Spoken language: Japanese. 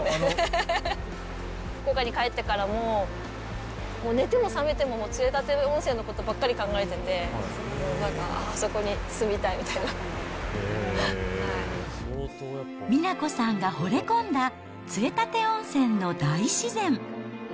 福岡に帰ってからも、寝ても覚めても杖立温泉のことばっかり考えてて、なんか、あそこに住みたいみた美奈子さんがほれ込んだ杖立温泉の大自然。